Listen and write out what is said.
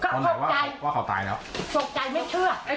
แล้วพอเราทราบข่าวตอนไหนว่าเค้าตายแล้วตกใจตกใจไม่เชื่อ